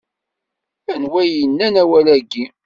Anwa i d-yannan awal-agi?